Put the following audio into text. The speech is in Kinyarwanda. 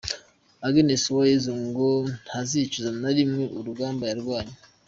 Agnes Uwayezu ngo ntazicuza na rimwe urugamba yarwanye.